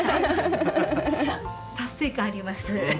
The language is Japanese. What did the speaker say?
達成感あります。